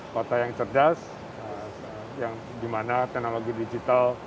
kota yang cerdas yang dimana teknologi digital